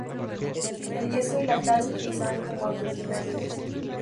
El yeso y la cal se utilizaban como aglutinantes.